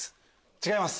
違います。